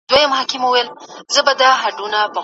خو بلوړ که مات سي ډیري یې ټوټې وي